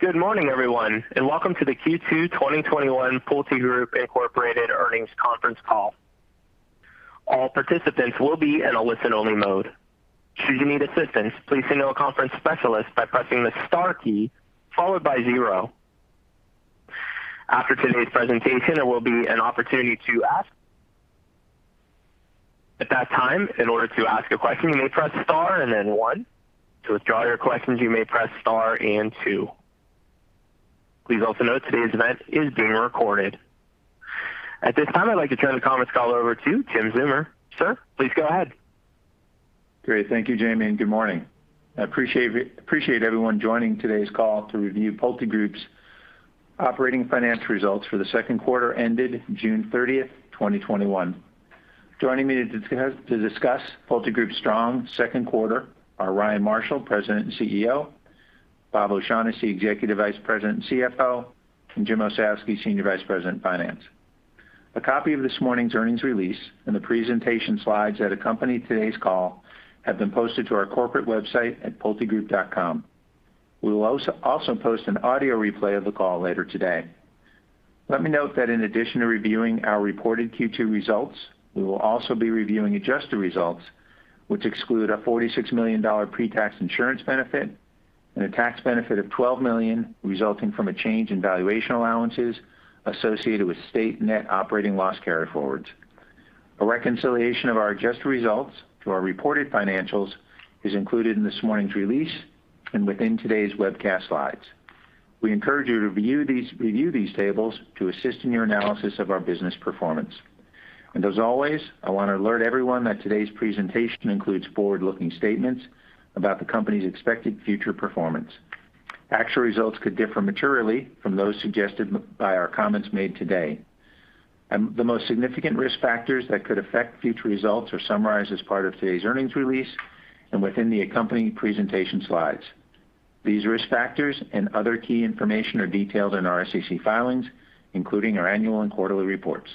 Good morning, everyone, and welcome to the Q2 2021 PulteGroup Incorporated earnings conference call. All participants will be in a listen-only mode. Should you need assistance, please signal a conference specialist by pressing the star key, followed by zero. After today's presentation, there will be an opportunity to ask questions. At that time, in order to ask a question, you may press star and then one. To withdraw your questions, you may press star and two. Please also note today's event is being recorded. At this time, I'd like to turn the conference call over to Jim Zeumer. Sir, please go ahead. Great. Thank you, Jamie. Good morning. I appreciate everyone joining today's call to review PulteGroup's operating financial results for the second quarter ended June 30th, 2021. Joining me to discuss PulteGroup's strong second quarter are Ryan Marshall, President and CEO; Bob O'Shaughnessy, Executive Vice President and CFO; and Jim Ossowski, Senior Vice President of Finance. A copy of this morning's earnings release and the presentation slides that accompany today's call have been posted to our corporate website at pultegroup.com. We will also post an audio replay of the call later today. Let me note that in addition to reviewing our reported Q2 results, we will also be reviewing adjusted results, which exclude a $46 million pre-tax insurance benefit and a tax benefit of $12 million resulting from a change in valuation allowances associated with state net operating loss carryforwards. A reconciliation of our adjusted results to our reported financials is included in this morning's release and within today's webcast slides. We encourage you to review these tables to assist in your analysis of our business performance. As always, I want to alert everyone that today's presentation includes forward-looking statements about the company's expected future performance. Actual results could differ materially from those suggested by our comments made today. The most significant risk factors that could affect future results are summarized as part of today's earnings release and within the accompanying presentation slides. These risk factors and other key information are detailed in our SEC filings, including our annual and quarterly reports.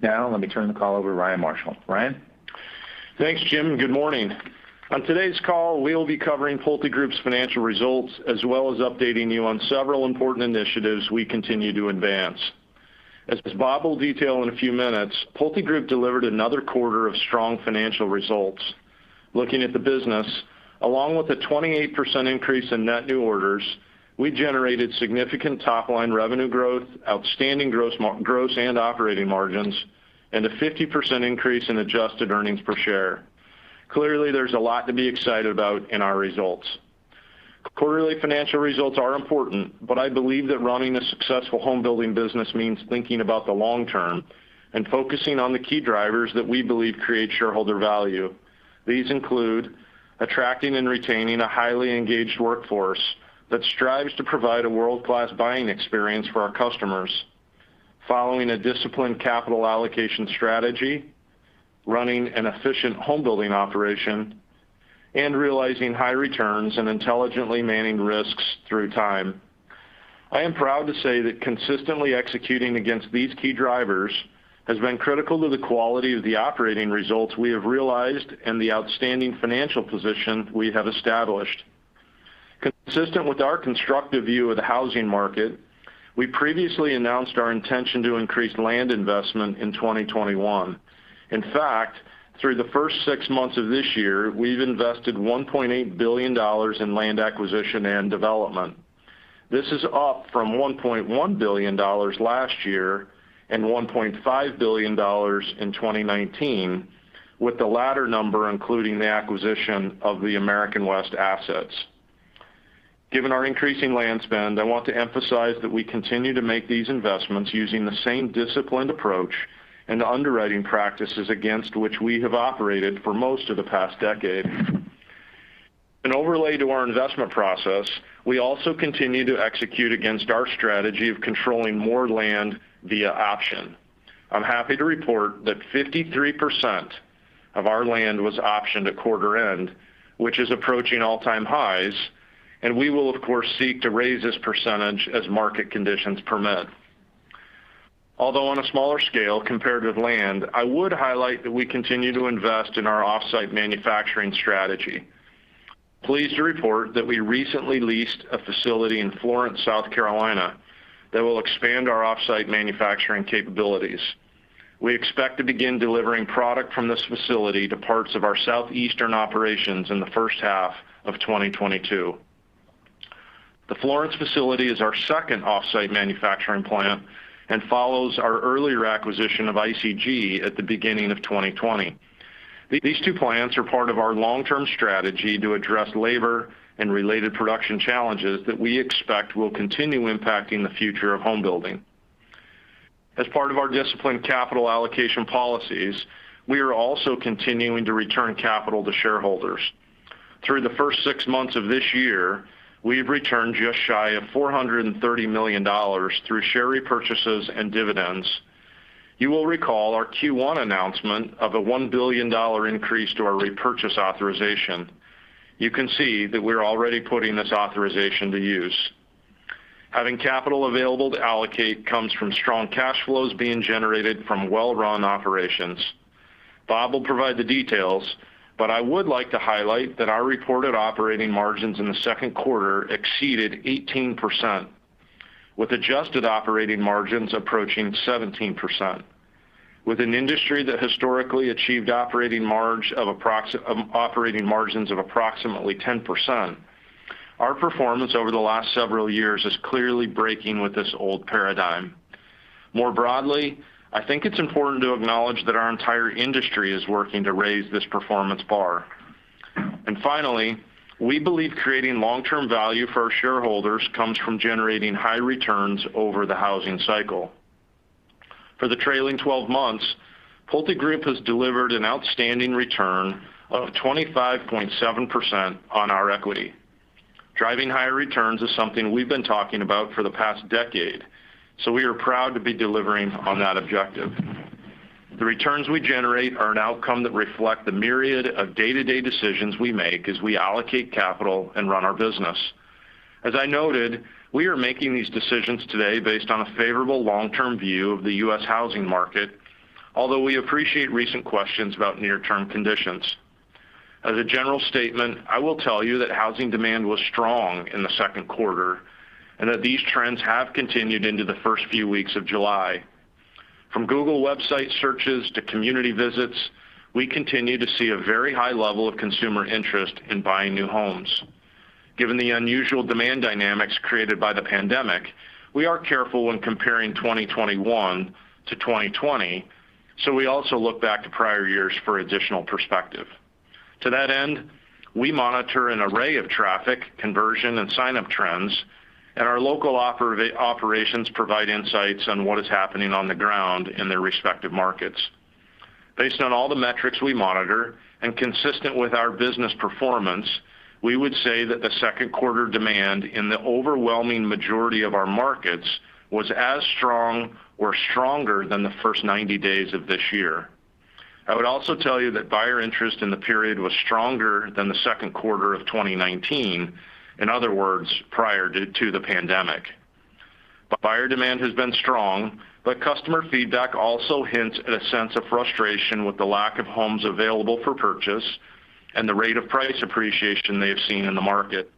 Now, let me turn the call over to Ryan Marshall. Ryan? Thanks, Jim, and good morning. On today's call, we'll be covering PulteGroup's financial results, as well as updating you on several important initiatives we continue to advance. As Bob will detail in a few minutes, PulteGroup delivered another quarter of strong financial results. Looking at the business, along with a 28% increase in net new orders, we generated significant top-line revenue growth, outstanding gross and operating margins, and a 50% increase in adjusted earnings per share. Clearly, there's a lot to be excited about in our results. Quarterly financial results are important, but I believe that running a successful home building business means thinking about the long-term and focusing on the key drivers that we believe create shareholder value. These include attracting and retaining a highly engaged workforce that strives to provide a world-class buying experience for our customers, following a disciplined capital allocation strategy, running an efficient home building operation, and realizing high returns and intelligently managing risks through time. I am proud to say that consistently executing against these key drivers has been critical to the quality of the operating results we have realized and the outstanding financial position we have established. Consistent with our constructive view of the housing market, we previously announced our intention to increase land investment in 2021. In fact, through the first six months of this year, we've invested $1.8 billion in land acquisition and development. This is up from $1.1 billion last year and $1.5 billion in 2019, with the latter number including the acquisition of the American West assets. Given our increasing land spend, I want to emphasize that we continue to make these investments using the same disciplined approach and underwriting practices against which we have operated for most of the past decade. An overlay to our investment process, we also continue to execute against our strategy of controlling more land via option. I'm happy to report that 53% of our land was optioned at quarter end, which is approaching all-time highs, and we will, of course, seek to raise this percentage as market conditions permit. Although on a smaller scale compared with land, I would highlight that we continue to invest in our off-site manufacturing strategy. Pleased to report that we recently leased a facility in Florence, South Carolina, that will expand our off-site manufacturing capabilities. We expect to begin delivering product from this facility to parts of our southeastern operations in the first half of 2022. The Florence facility is our second off-site manufacturing plant and follows our earlier acquisition of ICG at the beginning of 2020. These two plants are part of our long-term strategy to address labor and related production challenges that we expect will continue impacting the future of home building. As part of our disciplined capital allocation policies, we are also continuing to return capital to shareholders. Through the first six months of this year, we've returned just shy of $430 million through share repurchases and dividends. You will recall our Q1 announcement of a $1 billion increase to our repurchase authorization. You can see that we're already putting this authorization to use. Having capital available to allocate comes from strong cash flows being generated from well-run operations. Bob will provide the details, but I would like to highlight that our reported operating margins in the second quarter exceeded 18%, with adjusted operating margins approaching 17%. With an industry that historically achieved operating margins of approximately 10%, our performance over the last several years is clearly breaking with this old paradigm. More broadly, I think it’s important to acknowledge that our entire industry is working to raise this performance bar. Finally, we believe creating long-term value for our shareholders comes from generating high returns over the housing cycle. For the trailing 12 months, PulteGroup has delivered an outstanding return of 25.7% on our equity. Driving higher returns is something we've been talking about for the past decade. We are proud to be delivering on that objective. The returns we generate are an outcome that reflect the myriad of day-to-day decisions we make as we allocate capital and run our business. As I noted, we are making these decisions today based on a favorable long-term view of the U.S. housing market, although we appreciate recent questions about near-term conditions. As a general statement, I will tell you that housing demand was strong in the second quarter, and that these trends have continued into the first few weeks of July. From Google website searches to community visits, we continue to see a very high level of consumer interest in buying new homes. Given the unusual demand dynamics created by the pandemic, we are careful when comparing 2021 to 2020, so we also look back to prior years for additional perspective. To that end, we monitor an array of traffic, conversion, and signup trends, and our local operations provide insights on what is happening on the ground in their respective markets. Based on all the metrics we monitor, and consistent with our business performance, we would say that the second quarter demand in the overwhelming majority of our markets was as strong or stronger than the first 90 days of this year. I would also tell you that buyer interest in the period was stronger than the second quarter of 2019. In other words, prior to the pandemic. Buyer demand has been strong, but customer feedback also hints at a sense of frustration with the lack of homes available for purchase and the rate of price appreciation they have seen in the market.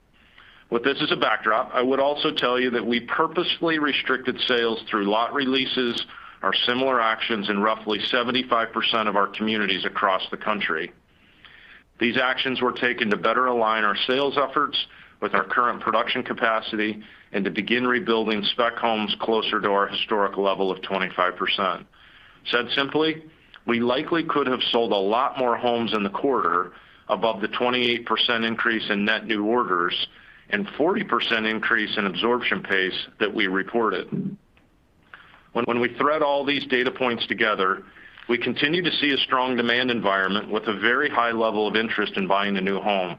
With this as a backdrop, I would also tell you that we purposefully restricted sales through lot releases or similar actions in roughly 75% of our communities across the country. These actions were taken to better align our sales efforts with our current production capacity and to begin rebuilding spec homes closer to our historic level of 25%. Said simply, we likely could have sold a lot more homes in the quarter above the 28% increase in net new orders and 40% increase in absorption pace that we reported. When we thread all these data points together, we continue to see a strong demand environment with a very high level of interest in buying a new home.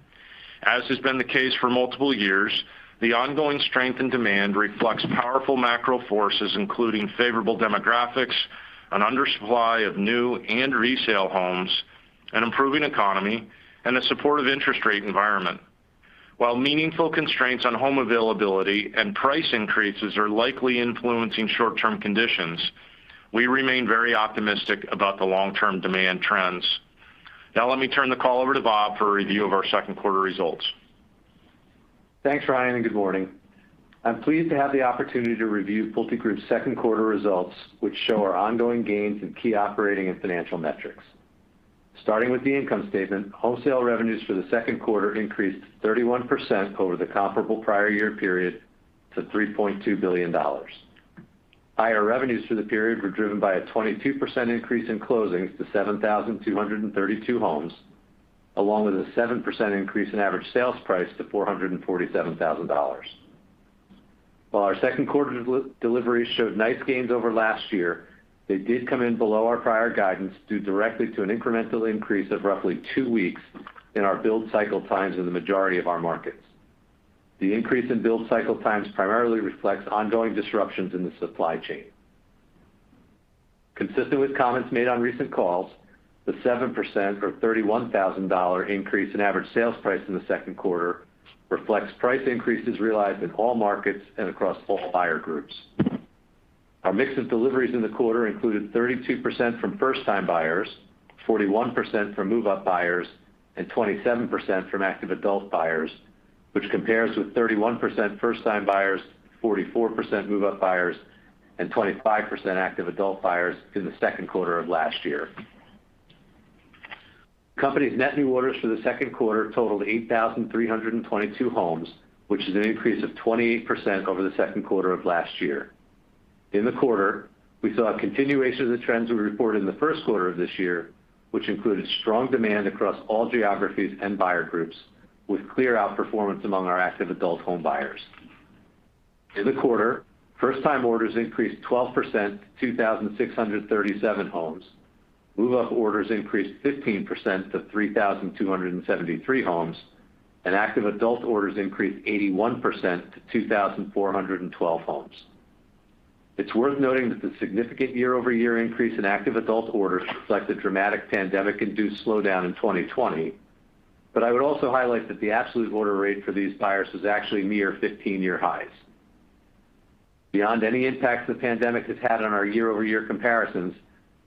As has been the case for multiple years, the ongoing strength and demand reflects powerful macro forces, including favorable demographics, an undersupply of new and resale homes, an improving economy, and a supportive interest rate environment. While meaningful constraints on home availability and price increases are likely influencing short-term conditions, we remain very optimistic about the long-term demand trends. Now, let me turn the call over to Bob for a review of our second quarter results. Thanks, Ryan, and good morning. I'm pleased to have the opportunity to review PulteGroup's second quarter results, which show our ongoing gains in key operating and financial metrics. Starting with the income statement, home sale revenues for the second quarter increased 31% over the comparable prior year period to $3.2 billion. Higher revenues for the period were driven by a 22% increase in closings to 7,232 homes, along with a 7% increase in average sales price to $447,000. While our second quarter deliveries showed nice gains over last year, they did come in below our prior guidance due directly to an incremental increase of roughly two weeks in our build cycle times in the majority of our markets. The increase in build cycle times primarily reflects ongoing disruptions in the supply chain. Consistent with comments made on recent calls, the 7% or $31,000 increase in average sales price in the second quarter reflects price increases realized in all markets and across all buyer groups. Our mix of deliveries in the quarter included 32% from first-time buyers, 41% from move-up buyers, and 27% from active adult buyers, which compares with 31% first-time buyers, 44% move-up buyers, and 25% active adult buyers in the second quarter of last year. Company's net new orders for the second quarter totaled 8,322 homes, which is an increase of 28% over the second quarter of last year. In the quarter, we saw a continuation of the trends we reported in the first quarter of this year, which included strong demand across all geographies and buyer groups with clear outperformance among our active adult home buyers. In the quarter, first-time orders increased 12% to 2,637 homes, move-up orders increased 15% to 3,273 homes, and active adult orders increased 81% to 2,412 homes. It's worth noting that the significant year-over-year increase in active adult orders reflects a dramatic pandemic-induced slowdown in 2020, but I would also highlight that the absolute order rate for these buyers was actually near 15-year highs. Beyond any impact the pandemic has had on our year-over-year comparisons,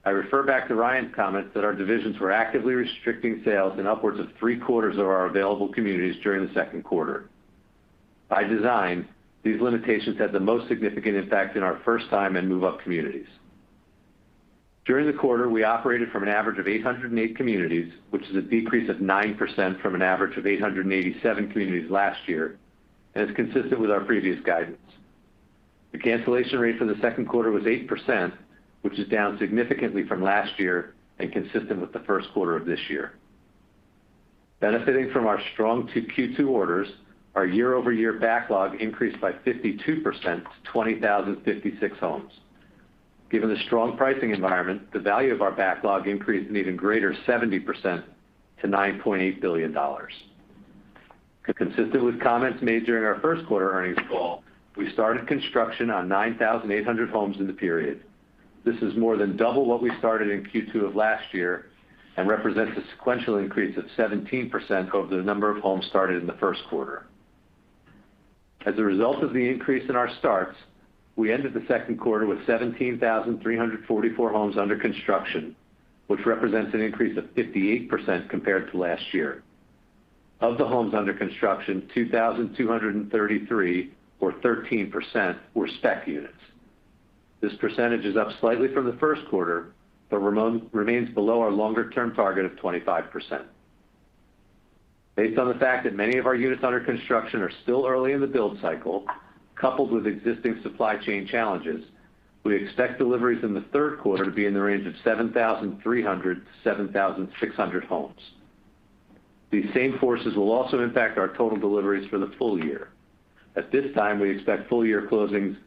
I refer back to Ryan's comments that our divisions were actively restricting sales in upwards of three-quarters of our available communities during the second quarter. By design, these limitations had the most significant impact in our first-time and move-up communities. During the quarter, we operated from an average of 808 communities, which is a decrease of 9% from an average of 887 communities last year, and is consistent with our previous guidance. The cancellation rate for the second quarter was 8%, which is down significantly from last year and consistent with the first quarter of this year. Benefiting from our strong Q2 orders, our year-over-year backlog increased by 52% to 20,056 homes. Given the strong pricing environment, the value of our backlog increased an even greater 70% to $9.8 billion. Consistent with comments made during our first quarter earnings call, we started construction on 9,800 homes in the period. This is more than double what we started in Q2 of last year and represents a sequential increase of 17% over the number of homes started in the first quarter. As a result of the increase in our starts, we ended the second quarter with 17,344 homes under construction, which represents an increase of 58% compared to last year. Of the homes under construction, 2,233 or 13% were spec units. This percentage is up slightly from the first quarter, but remains below our longer-term target of 25%. Based on the fact that many of our units under construction are still early in the build cycle, coupled with existing supply chain challenges, we expect deliveries in the third quarter to be in the range of 7,300-7,600 homes. These same forces will also impact our total deliveries for the full year. At this time, we expect full-year closings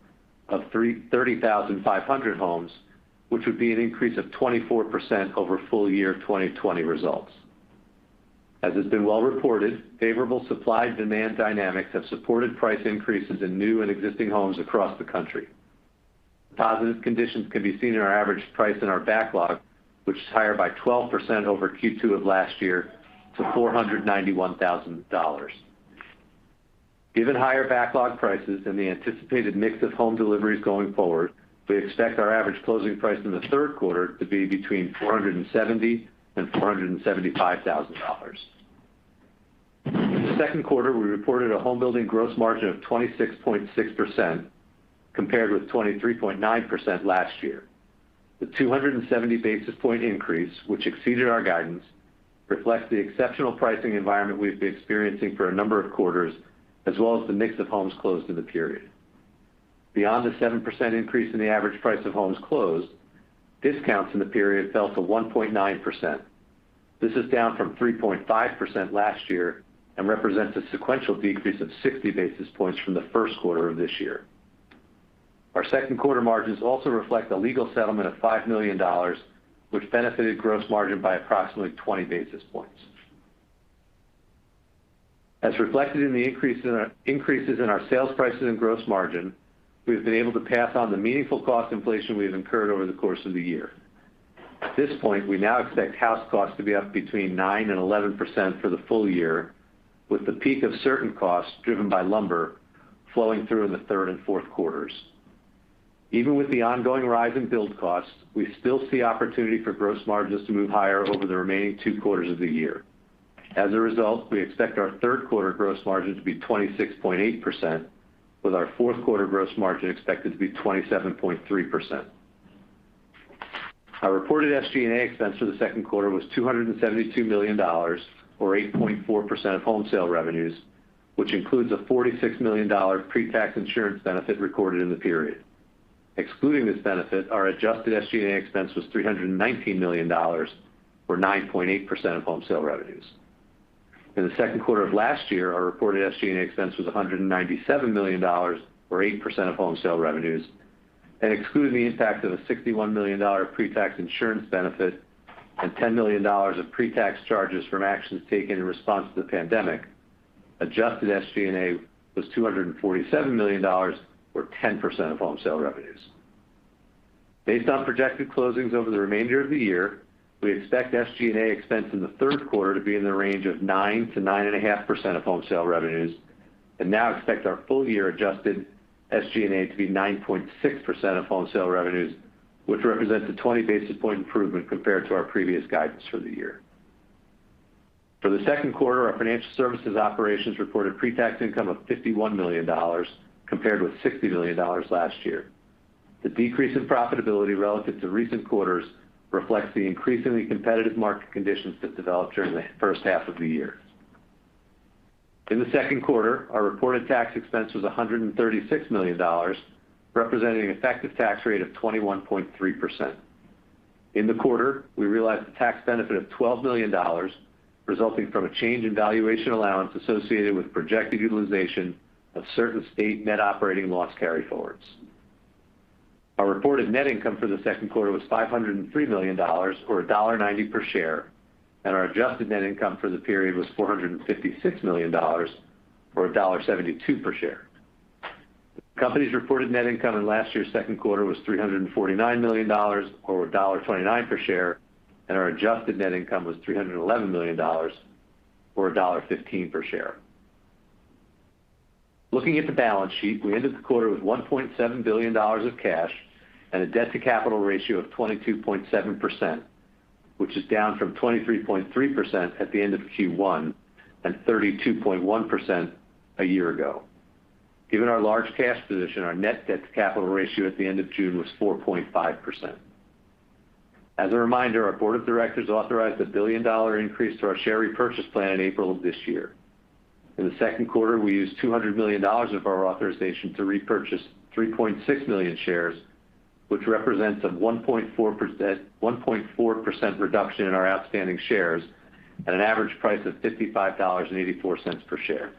of 30,500 homes, which would be an increase of 24% over full-year 2020 results. As has been well reported, favorable supply-demand dynamics have supported price increases in new and existing homes across the country. Positive conditions can be seen in our average price in our backlog, which is higher by 12% over Q2 of last year to $491,000. Given higher backlog prices and the anticipated mix of home deliveries going forward, we expect our average closing price in the third quarter to be between $470,000 and $475,000. In the second quarter, we reported a homebuilding gross margin of 26.6%, compared with 23.9% last year. The 270 basis point increase, which exceeded our guidance, reflects the exceptional pricing environment we've been experiencing for a number of quarters, as well as the mix of homes closed in the period. Beyond the 7% increase in the average price of homes closed, discounts in the period fell to 1.9%. This is down from 3.5% last year and represents a sequential decrease of 60 basis points from the first quarter of this year. Our second quarter margins also reflect a legal settlement of $5 million, which benefited gross margin by approximately 20 basis points. As reflected in the increases in our sales prices and gross margin, we've been able to pass on the meaningful cost inflation we have incurred over the course of the year. At this point, we now expect house costs to be up between 9% and 11% for the full year, with the peak of certain costs, driven by lumber, flowing through in the third and fourth quarters. Even with the ongoing rise in build costs, we still see opportunity for gross margins to move higher over the remaining two quarters of the year. As a result, we expect our third quarter gross margin to be 26.8%, with our fourth quarter gross margin expected to be 27.3%. Our reported SG&A expense for the second quarter was $272 million, or 8.4% of home sale revenues, which includes a $46 million pre-tax insurance benefit recorded in the period. Excluding this benefit, our adjusted SG&A expense was $319 million or 9.8% of home sale revenues. In the second quarter of last year, our reported SG&A expense was $197 million or 8% of home sale revenues, and excluding the impact of a $61 million pre-tax insurance benefit and $10 million of pre-tax charges from actions taken in response to the pandemic, adjusted SG&A was $247 million or 10% of home sale revenues. Based on projected closings over the remainder of the year, we expect SG&A expense in the third quarter to be in the range of 9%-9.5% of home sale revenues, and now expect our full year adjusted SG&A to be 9.6% of home sale revenues, which represents a 20 basis point improvement compared to our previous guidance for the year. For the second quarter, our financial services operations reported pre-tax income of $51 million compared with $60 million last year. The decrease in profitability relative to recent quarters reflects the increasingly competitive market conditions that developed during the first half of the year. In the second quarter, our reported tax expense was $136 million, representing an effective tax rate of 21.3%. In the quarter, we realized a tax benefit of $12 million resulting from a change in valuation allowance associated with projected utilization of certain state net operating loss carryforwards. Our reported net income for the second quarter was $503 million, or $1.90 per share, and our adjusted net income for the period was $456 million or $1.72 per share. Company's reported net income in last year's second quarter was $349 million, or $1.29 per share, and our adjusted net income was $311 million, or $1.15 per share. Looking at the balance sheet, we ended the quarter with $1.7 billion of cash and a debt to capital ratio of 22.7%, which is down from 23.3% at the end of Q1 and 32.1% a year ago. Given our large cash position, our net debt to capital ratio at the end of June was 4.5%. As a reminder, our board of directors authorized a billion-dollar increase to our share repurchase plan in April of this year. In the second quarter, we used $200 million of our authorization to repurchase 3.6 million shares, which represents a 1.4% reduction in our outstanding shares at an average price of $55.84 per share.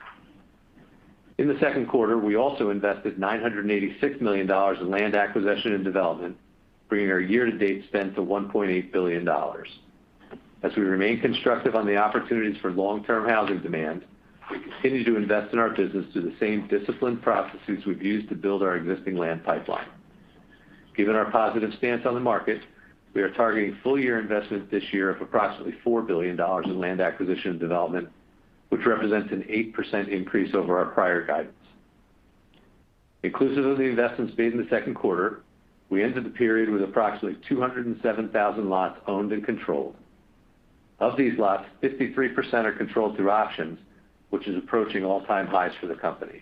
In the second quarter, we also invested $986 million in land acquisition and development, bringing our year-to-date spend to $1.8 billion. As we remain constructive on the opportunities for long-term housing demand, we continue to invest in our business through the same disciplined processes we've used to build our existing land pipeline. Given our positive stance on the market, we are targeting full year investments this year of approximately $4 billion in land acquisition and development, which represents an 8% increase over our prior guidance. Inclusive of the investments made in the second quarter, we ended the period with approximately 207,000 lots owned and controlled. Of these lots, 53% are controlled through options, which is approaching all-time highs for the company.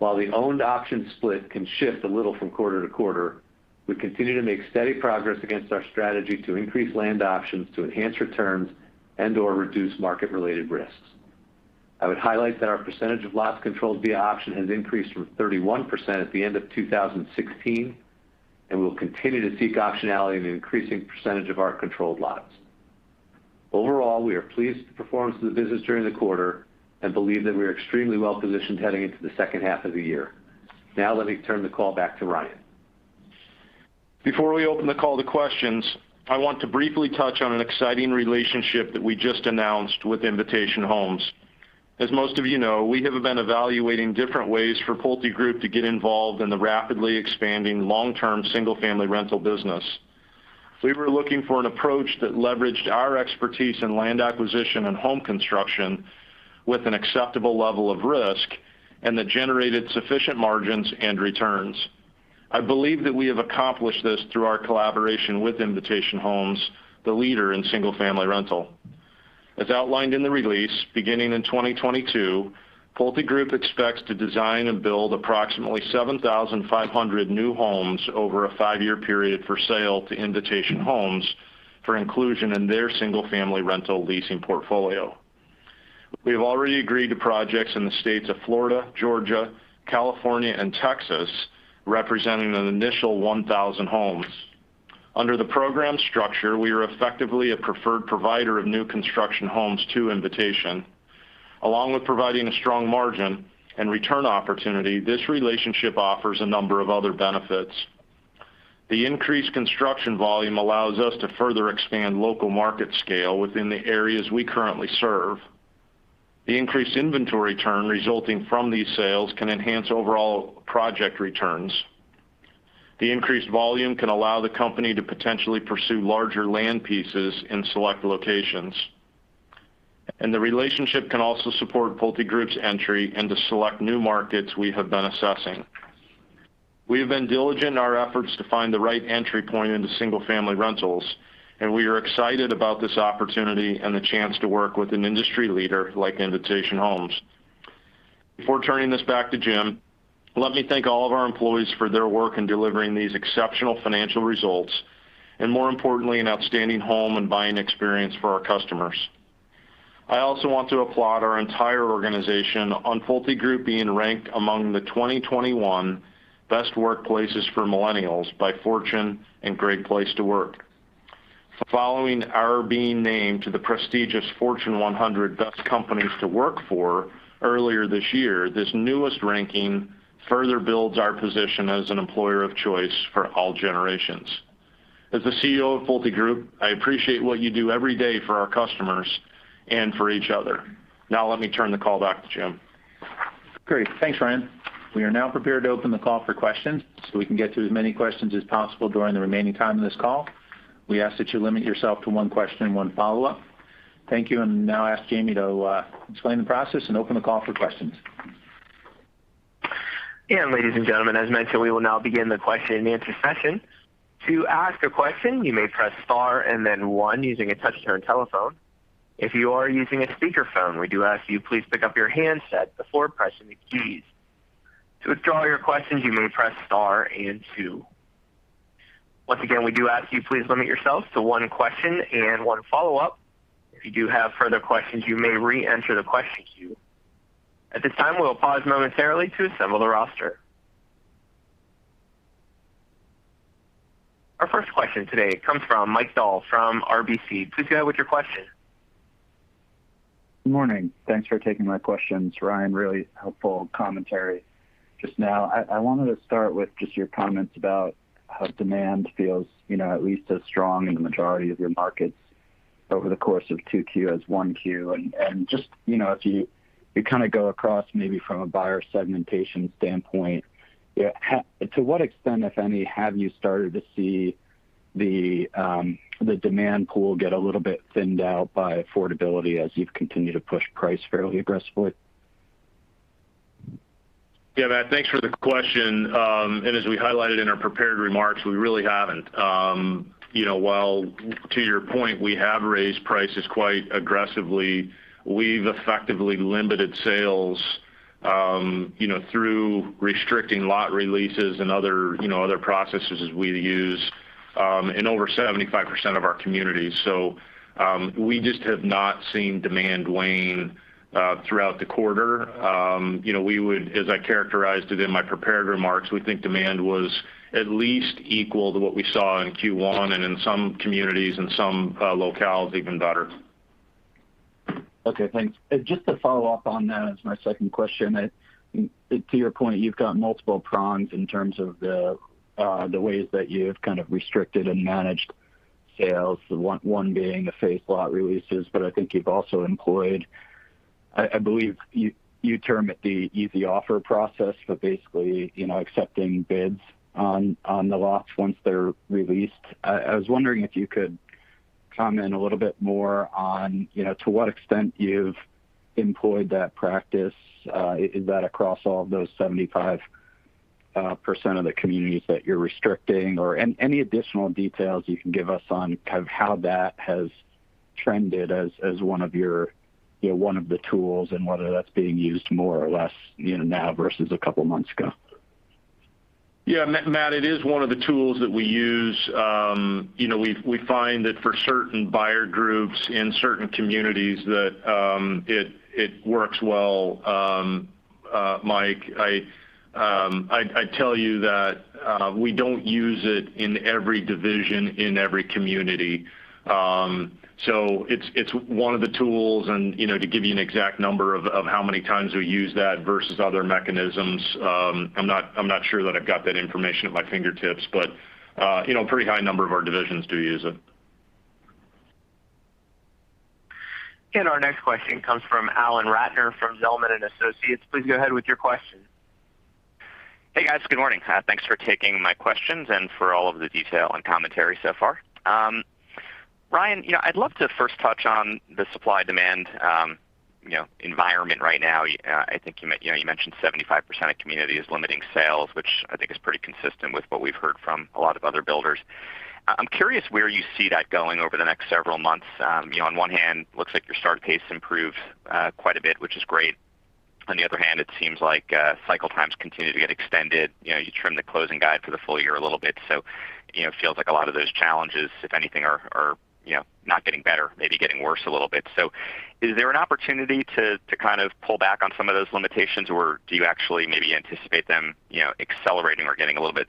While the owned option split can shift a little from quarter to quarter, we continue to make steady progress against our strategy to increase land options to enhance returns and/or reduce market related risks. I would highlight that our percentage of lots controlled via option has increased from 31% at the end of 2016, and we'll continue to seek optionality in an increasing percentage of our controlled lots. Overall, we are pleased with the performance of the business during the quarter and believe that we are extremely well-positioned heading into the second half of the year. Now, let me turn the call back to Ryan. Before we open the call to questions, I want to briefly touch on an exciting relationship that we just announced with Invitation Homes. As most of you know, we have been evaluating different ways for PulteGroup to get involved in the rapidly expanding long-term single-family rental business. We were looking for an approach that leveraged our expertise in land acquisition and home construction with an acceptable level of risk and that generated sufficient margins and returns. I believe that we have accomplished this through our collaboration with Invitation Homes, the leader in single-family rental. As outlined in the release, beginning in 2022, PulteGroup expects to design and build approximately 7,500 new homes over a 5-year period for sale to Invitation Homes for inclusion in their single-family rental leasing portfolio. We have already agreed to projects in the states of Florida, Georgia, California, and Texas, representing an initial 1,000 homes. Under the program structure, we are effectively a preferred provider of new construction homes to Invitation. Along with providing a strong margin and return opportunity, this relationship offers a number of other benefits. The increased construction volume allows us to further expand local market scale within the areas we currently serve. The increased inventory turn resulting from these sales can enhance overall project returns. The increased volume can allow the company to potentially pursue larger land pieces in select locations. The relationship can also support PulteGroup's entry into select new markets we have been assessing. We have been diligent in our efforts to find the right entry point into single-family rentals, and we are excited about this opportunity and the chance to work with an industry leader like Invitation Homes. Before turning this back to Jim, let me thank all of our employees for their work in delivering these exceptional financial results, and more importantly, an outstanding home and buying experience for our customers. I also want to applaud our entire organization on PulteGroup being ranked among the 2021 Best Workplaces for Millennials by Fortune and Great Place to Work. Following our being named to the prestigious Fortune 100 Best Companies to Work For earlier this year, this newest ranking further builds our position as an employer of choice for all generations. As the CEO of PulteGroup, I appreciate what you do every day for our customers and for each other. Now, let me turn the call back to Jim. Great. Thanks, Ryan. We are now prepared to open the call for questions, so we can get through as many questions as possible during the remaining time of this call. We ask that you limit yourself to one question and one follow-up. Thank you. Now, I ask Jamie to explain the process and open the call for questions. Ladies and gentlemen, as mentioned, we will now begin the question and answer session. To ask a question, you may press star and then one using a touch-tone telephone. If you are using a speakerphone, we do ask you please pick up your handset before pressing the keys. To withdraw your questions, you may press star and two. Once again, we do ask you please limit yourself to one question and one follow-up. If you do have further questions, you may re-enter the question queue. At this time, we will pause momentarily to assemble the roster. Our first question today comes from Mike Dahl from RBC. Please go ahead with your question. Good morning. Thanks for taking my questions. Ryan, really helpful commentary just now. I wanted to start with just your comments about how demand feels at least as strong in the majority of your markets over the course of 2Q as 1Q, and just if you go across maybe from a buyer segmentation standpoint, to what extent, if any, have you started to see the demand pool get a little bit thinned out by affordability as you've continued to push price fairly aggressively? Yeah, Matt, thanks for the question. As we highlighted in our prepared remarks, we really haven't. While to your point, we have raised prices quite aggressively, we've effectively limited sales through restricting lot releases and other processes as we use in over 75% of our communities. We just have not seen demand wane throughout the quarter. As I characterized it in my prepared remarks, we think demand was at least equal to what we saw in Q1 and in some communities and some locales, even better. Okay, thanks. Just to follow up on that as my second question, to your point, you've got multiple prongs in terms of the ways that you've kind of restricted and managed sales, one being the phased lot releases, but I think you've also employed, I believe you term it the Easy Offer Process, but basically, accepting bids on the lots once they're released. I was wondering if you could comment a little bit more on to what extent you've employed that practice. Is that across all of those 75% of the communities that you're restricting or any additional details you can give us on how that has trended as one of the tools, and whether that's being used more or less now versus a couple of months ago. Yeah, Matt, it is one of the tools that we use. We find that for certain buyer groups in certain communities that it works well. Mike, I tell you that we don't use it in every division, in every community. It's one of the tools, and to give you an exact number of how many times we use that versus other mechanisms, I'm not sure that I've got that information at my fingertips, but a pretty high number of our divisions do use it. Our next question comes from Alan Ratner from Zelman & Associates. Please go ahead with your question. Hey, guys. Good morning. Thanks for taking my questions and for all of the detail and commentary so far. Ryan, I'd love to first touch on the supply-demand environment right now. I think you mentioned 75% of community is limiting sales, which I think is pretty consistent with what we've heard from a lot of other builders. I'm curious where you see that going over the next several months. On one hand, looks like your start pace improved quite a bit, which is great. On the other hand, it seems like cycle times continue to get extended. You trim the closing guide for the full year a little bit. It feels like a lot of those challenges, if anything, are not getting better, maybe getting worse a little bit. Is there an opportunity to kind of pull back on some of those limitations, or do you actually maybe anticipate them accelerating or getting a little bit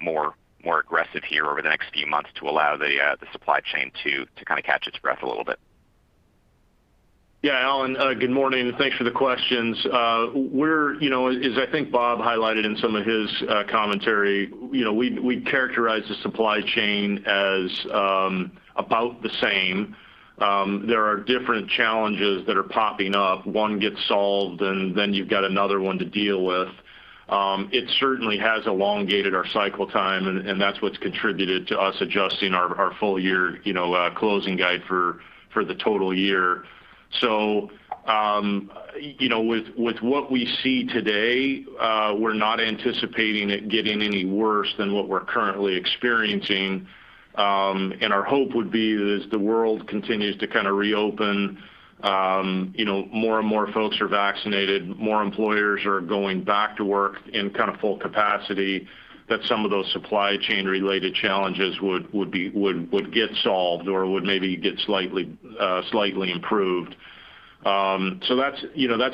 more aggressive here over the next few months to allow the supply chain to catch its breath a little bit? Yeah, Alan. Good morning, and thanks for the questions. As I think Bob highlighted in some of his commentary, we'd characterize the supply chain as about the same. There are different challenges that are popping up. One gets solved, and then you've got another one to deal with. It certainly has elongated our cycle time, and that's what's contributed to us adjusting our full-year closing guide for the total year. With what we see today, we're not anticipating it getting any worse than what we're currently experiencing. Our hope would be that as the world continues to kind of reopen, more and more folks are vaccinated, more employers are going back to work in kind of full capacity, that some of those supply chain-related challenges would get solved or would maybe get slightly improved. That's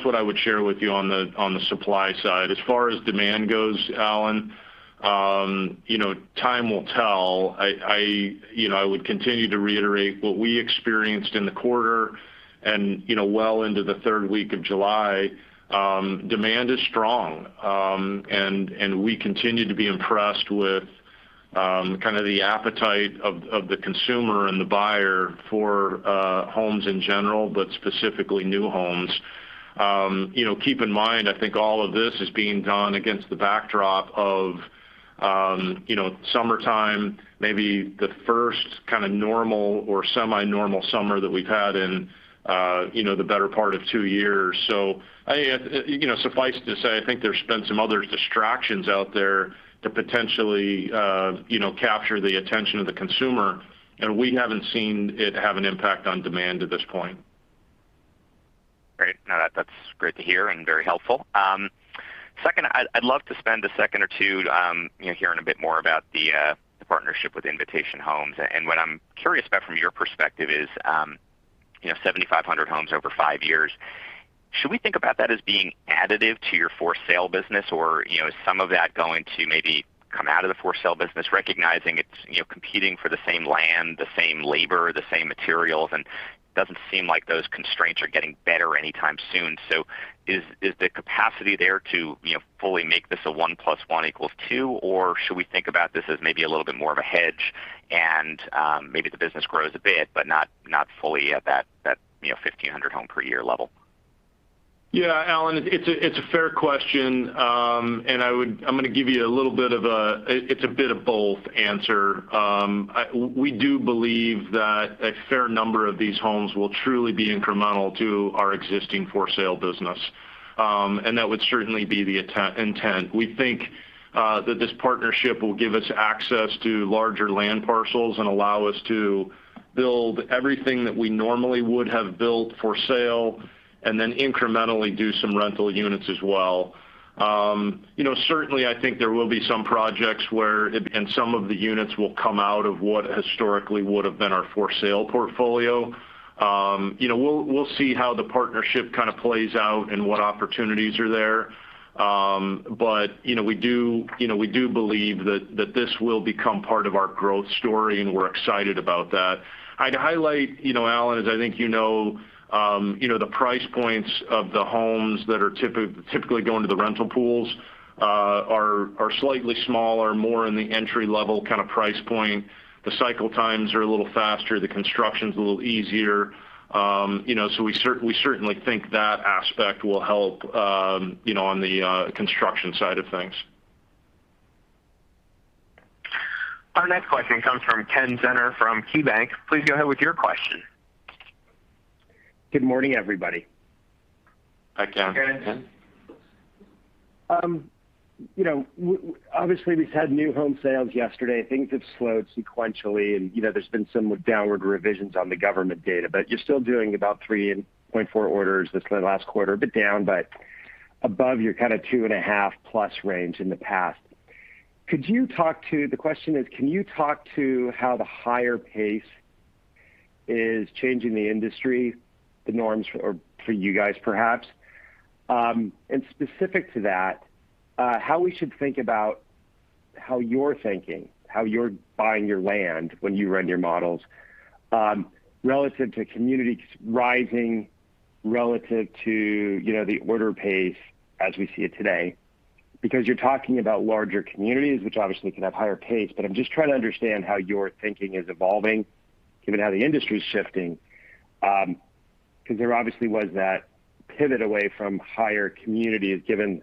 what I would share with you on the supply side. As far as demand goes, Alan, time will tell. I would continue to reiterate what we experienced in the quarter and well into the third week of July, demand is strong, and we continue to be impressed with kind of the appetite of the consumer and the buyer for homes in general, but specifically new homes. Keep in mind, I think all of this is being done against the backdrop of summertime, maybe the first kind of normal or semi-normal summer that we've had in the better part of two years. Suffice to say, I think there's been some other distractions out there to potentially capture the attention of the consumer, and we haven't seen it have an impact on demand to this point. Great. No, that's great to hear and very helpful. Second, I'd love to spend a second or two hearing a bit more about the partnership with Invitation Homes. What I'm curious about from your perspective is, 7,500 homes over five years, should we think about that as being additive to your for-sale business, or is some of that going to maybe come out of the for-sale business, recognizing it's competing for the same land, the same labor, the same materials, and? Doesn't seem like those constraints are getting better anytime soon. Is the capacity there to fully make this a one plus one equals two? Or should we think about this as maybe a little bit more of a hedge and maybe the business grows a bit, but not fully at that 1,500 home per year level? Yeah. Alan, it's a fair question and I’m going to give you a little bit of a, it's a bit of both answer. We do believe that a fair number of these homes will truly be incremental to our existing for-sale business. That would certainly be the intent. We think that this partnership will give us access to larger land parcels and allow us to build everything that we normally would have built for sale, and then incrementally do some rental units as well. Certainly, I think there will be some projects where some of the units will come out of what historically would've been our for-sale portfolio. We'll see how the partnership kind of plays out and what opportunities are there. We do believe that this will become part of our growth story, and we're excited about that. I'd highlight, Alan, as I think you know, the price points of the homes that are typically going to the rental pools are slightly smaller, more in the entry level kind of price point. The cycle times are a little faster, the construction's a little easier. We certainly think that aspect will help on the construction side of things. Our next question comes from Kenneth Zener from KeyBanc. Please go ahead with your question. Good morning, everybody. Hi, Ken. Ken. Obviously, we've had new home sales yesterday. Things have slowed sequentially, and there's been some downward revisions on the government data. You're still doing about 3.4 orders this last quarter, a bit down but above your kind of 2.5 plus range in the past. The question is, can you talk to how the higher pace is changing the industry, the norms for you guys perhaps? Specific to that, how we should think about how you're thinking, how you're buying your land when you run your models relative to communities rising relative to the order pace as we see it today? You're talking about larger communities, which obviously can have higher pace, but I'm just trying to understand how your thinking is evolving given how the industry's shifting. There obviously was that pivot away from higher communities given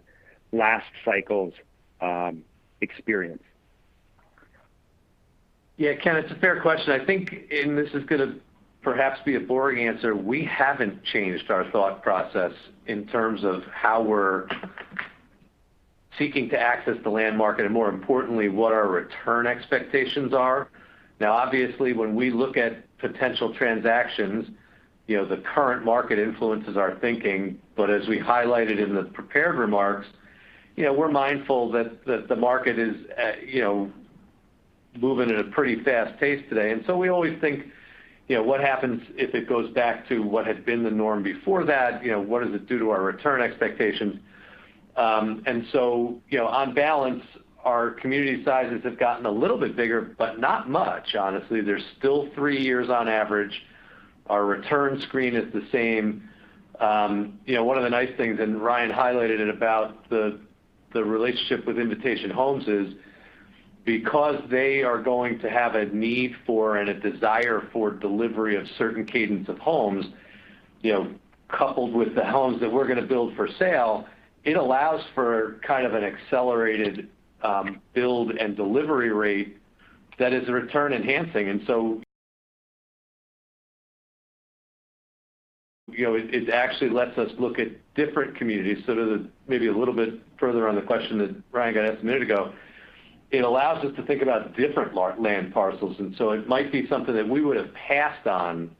last cycle's experience. Yeah, Ken, it's a fair question. I think, this is going to perhaps be a boring answer, we haven't changed our thought process in terms of how we're seeking to access the land market, and more importantly, what our return expectations are. Now, obviously, when we look at potential transactions, the current market influences our thinking, but as we highlighted in the prepared remarks, we're mindful that the market is moving at a pretty fast pace today. We always think, what happens if it goes back to what had been the norm before that? What does it do to our return expectations? On balance, our community sizes have gotten a little bit bigger, but not much, honestly. They're still 3 years on average. Our return screen is the same. One of the nice things, and Ryan highlighted it about the relationship with Invitation Homes is because they are going to have a need for and a desire for delivery of certain cadence of homes, coupled with the homes that we're going to build for sale, it allows for kind of an accelerated build and delivery rate that is return enhancing. It actually lets us look at different communities. Maybe a little bit further on the question that Ryan got asked a minute ago, it allows us to think about different land parcels. It might be something that we would've passed on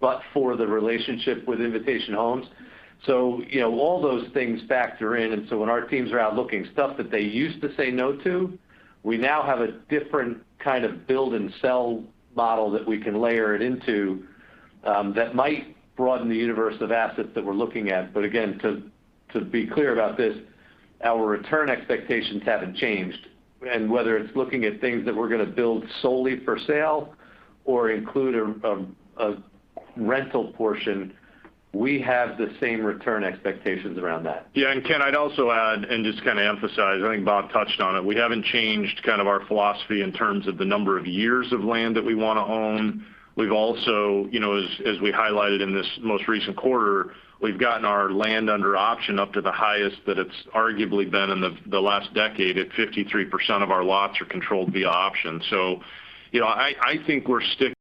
but for the relationship with Invitation Homes. All those things factor in. When our teams are out looking stuff that they used to say no to, we now have a different kind of build-and-sell model that we can layer it into, that might broaden the universe of assets that we're looking at. Again, to be clear about this, our return expectations haven't changed. Whether it's looking at things that we're going to build solely for sale or include a rental portion, we have the same return expectations around that. Yeah. Ken, I'd also add and just kind of emphasize, I think Bob touched on it, we haven't changed kind of our philosophy in terms of the number of years of land that we want to own. We've also, as we highlighted in this most recent quarter, we've gotten our land under option up to the highest that it's arguably been in the last decade at 53% of our lots are controlled via option. I think we're sticking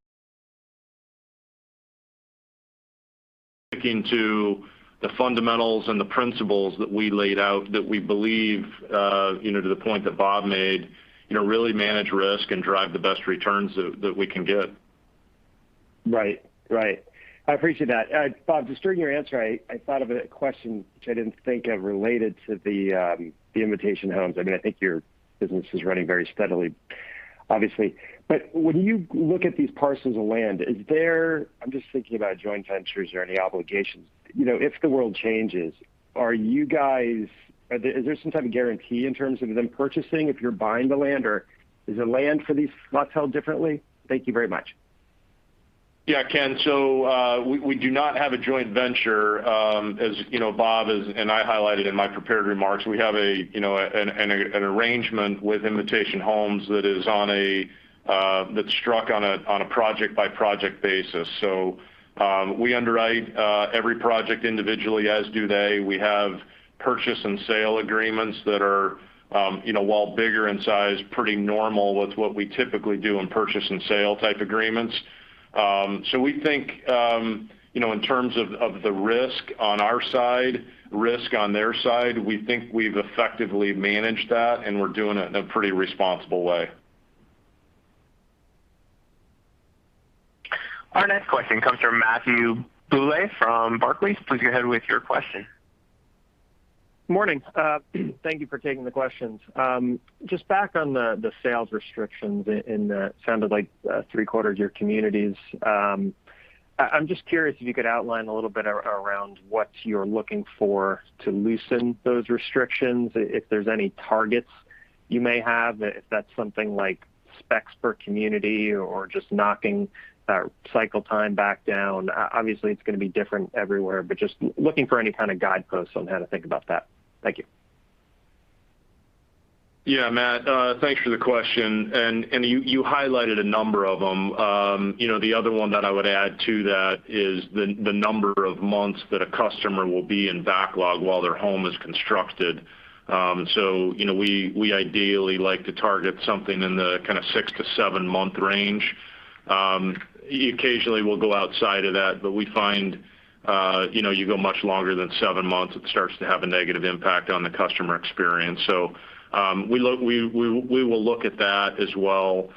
to the fundamentals and the principles that we laid out that we believe, to the point that Bob made, really manage risk and drive the best returns that we can get. Right. I appreciate that. Bob, just during your answer, I thought of a question which I didn't think of related to the Invitation Homes. I think your business is running very steadily, obviously. When you look at these parcels of land, I'm just thinking about joint ventures or any obligations. If the world changes, is there some type of guarantee in terms of them purchasing if you're buying the land, or is the land for these lots held differently? Thank you very much. Yeah, Ken. We do not have a joint venture. As Bob and I highlighted in my prepared remarks, we have an arrangement with Invitation Homes that's struck on a project-by-project basis. We underwrite every project individually, as do they. We have purchase and sale agreements that are, while bigger in size, pretty normal with what we typically do in purchase and sale type agreements. We think, in terms of the risk on our side, risk on their side, we think we've effectively managed that, and we're doing it in a pretty responsible way. Our next question comes from Matthew Bouley from Barclays. Please go ahead with your question. Morning. Thank you for taking the questions. Just back on the sales restrictions in the, sounded like, three-quarters of your communities. I'm just curious if you could outline a little bit around what you're looking for to loosen those restrictions, if there's any targets you may have, if that's something like specs per community or just knocking that cycle time back down. Obviously, it's going to be different everywhere, but just looking for any kind of guideposts on how to think about that. Thank you. Yeah, Matt. Thanks for the question. You highlighted a number of them. The other one that I would add to that is the number of months that a customer will be in backlog while their home is constructed. We ideally like to target something in the 6 to 7-month range. Occasionally, we'll go outside of that, but we find you go much longer than 7 months, it starts to have a negative impact on the customer experience. We will look at that as well.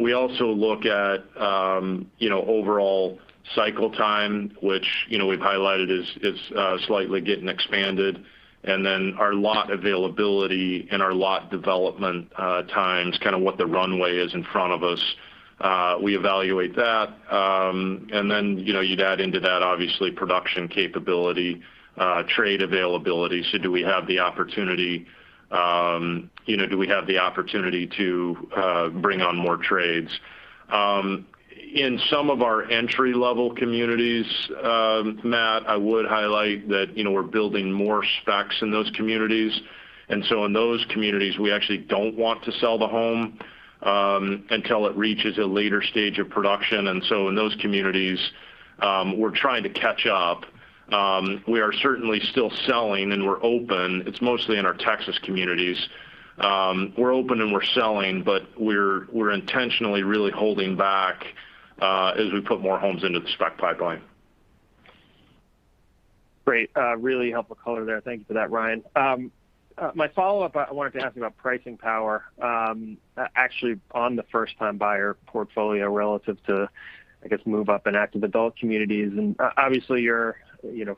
We also look at overall cycle time, which we've highlighted is slightly getting expanded. Our lot availability and our lot development times, kind of what the runway is in front of us, we evaluate that. You'd add into that, obviously, production capability, trade availability. Do we have the opportunity to bring on more trades? In some of our entry-level communities, Matthew, I would highlight that, you know, we're building more specs in those communities. In those communities, we actually don't want to sell the home until it reaches a later stage of production. In those communities, we're trying to catch up. We are certainly still selling, and we're open. It's mostly in our Texas communities. We're open and we're selling, but we're intentionally really holding back as we put more homes into the spec pipeline. Great. Really helpful color there. Thank you for that, Ryan. My follow-up, I wanted to ask you about pricing power, actually on the first-time buyer portfolio relative to, I guess, move-up and active adult communities. Obviously, your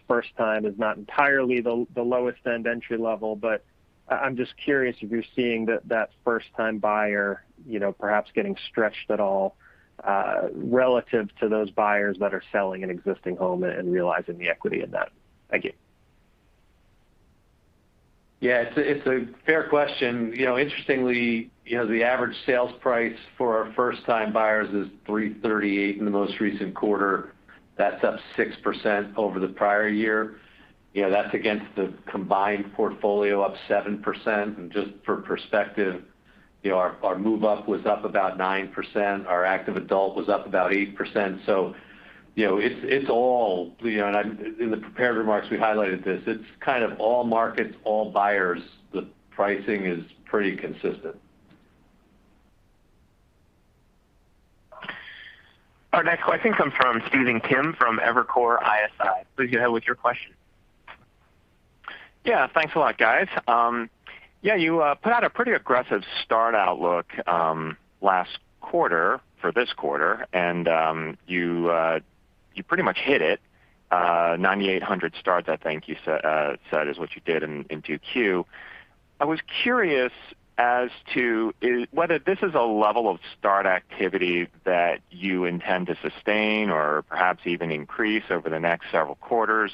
first time is not entirely the lowest-end entry level, but I'm just curious if you're seeing that first-time buyer perhaps getting stretched at all relative to those buyers that are selling an existing home and realizing the equity in that. Thank you. Yeah. It's a fair question. Interestingly, the average sales price for our first-time buyers is $338 in the most recent quarter. That's up 6% over the prior year. That's against the combined portfolio up 7%. Just for perspective, our move-up was up about 9%, our active adult was up about 8%. In the prepared remarks, we highlighted this. It's kind of all markets, all buyers. The pricing is pretty consistent. Our next question comes from Stephen Kim from Evercore ISI. Please go ahead with your question. Yeah. Thanks a lot, guys. You put out a pretty aggressive start outlook last quarter for this quarter, and you pretty much hit it. 9,800 starts, I think you said, is what you did in 2Q. I was curious as to whether this is a level of start activity that you intend to sustain or perhaps even increase over the next several quarters.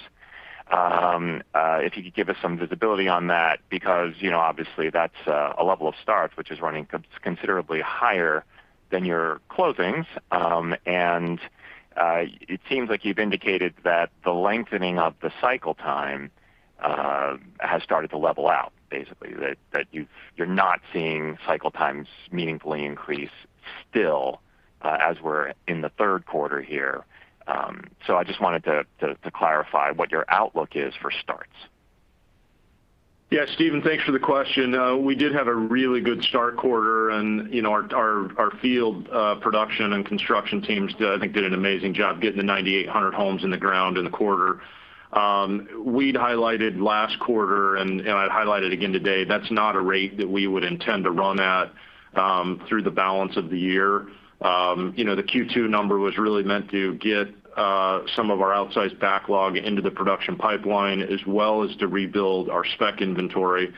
If you could give us some visibility on that, because obviously, that's a level of starts which is running considerably higher than your closings. It seems like you've indicated that the lengthening of the cycle time has started to level out, basically, that you're not seeing cycle times meaningfully increase still as we're in the third quarter here. I just wanted to clarify what your outlook is for starts. Yeah, Stephen, thanks for the question. We did have a really good start quarter, and our field production and construction teams I think did an amazing job getting the 9,800 homes in the ground in the quarter. We'd highlighted last quarter, and I highlighted again today, that's not a rate that we would intend to run at through the balance of the year. The Q2 number was really meant to get some of our outsized backlog into the production pipeline, as well as to rebuild our spec inventory.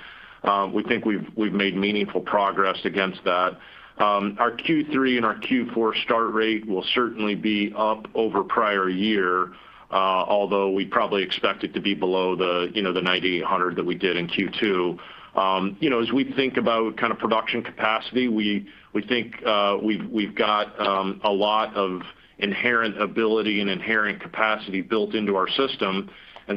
We think we've made meaningful progress against that. Our Q3 and our Q4 start rate will certainly be up over prior year, although we probably expect it to be below the 9,800 that we did in Q2. As we think about kind of production capacity, we think we've got a lot of inherent ability and inherent capacity built into our system.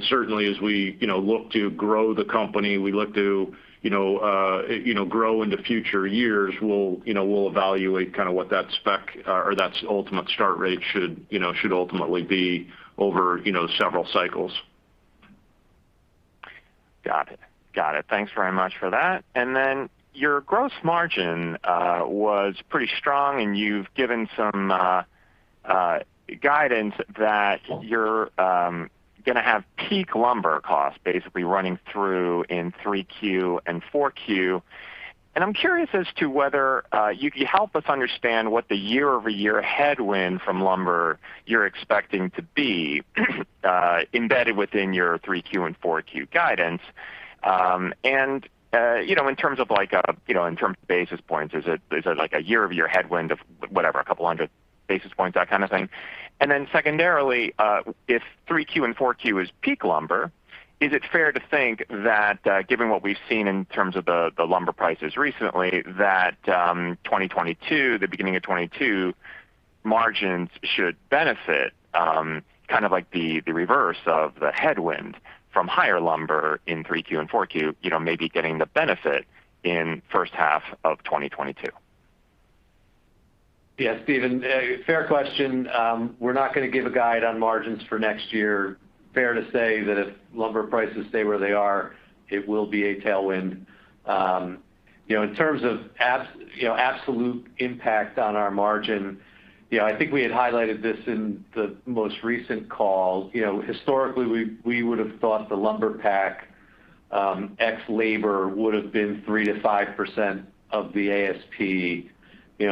Certainly as we look to grow the company, we look to grow into future years, we'll evaluate what that spec or that ultimate start rate should ultimately be over several cycles. Got it. Thanks very much for that. Then, your gross margin was pretty strong, and you've given some guidance that you're going to have peak lumber costs basically running through in 3Q and 4Q. I'm curious as to whether you could help us understand what the year-over-year headwind from lumber you're expecting to be embedded within your 3Q and 4Q guidance. In terms of basis points, is it like a year-over-year headwind of, whatever, a couple hundred basis points, that kind of thing? Secondarily, if 3Q and 4Q is peak lumber, is it fair to think that, given what we've seen in terms of the lumber prices recently, that 2022, the beginning of 2022, margins should benefit, kind of like the reverse of the headwind from higher lumber in 3Q and 4Q, maybe getting the benefit in first half of 2022? Yeah, Stephen, fair question. We're not going to give a guide on margins for next year. Fair to say that if lumber prices stay where they are, it will be a tailwind. In terms of absolute impact on our margin, I think we had highlighted this in the most recent call. Historically, we would've thought the lumber pack ex labor would've been 3%-5% of the ASP.